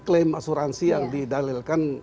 klaim asuransi yang didalilkan